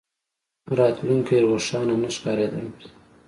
راتلونکې روښانه نه ښکارېدله.